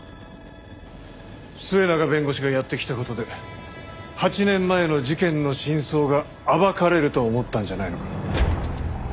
末永弁護士がやって来た事で８年前の事件の真相が暴かれると思ったんじゃないのか？